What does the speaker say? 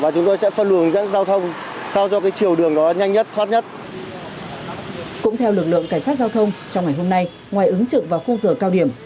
cũng theo lực lượng cảnh sát giao thông trong ngày hôm nay ngoài ứng trực vào khung giờ cao điểm